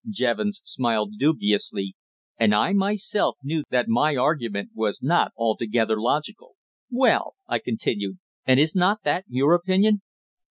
Jevons smiled dubiously, and I myself knew that my argument was not altogether logical. "Well?" I continued. "And is not that your opinion?"